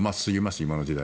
今の時代。